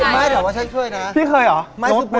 ไม่เดี๋ยวว่าฉันช่วยนะ